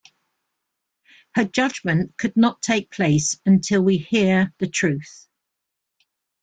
Her judgment could not take place until we hear the truth.